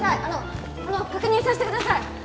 あの確認させてください